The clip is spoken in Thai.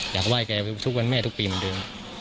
อยากไหว้แกแม่ทุกปีเหมือนเดิม